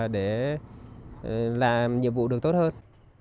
để làm nhiệm vụ được tốt hơn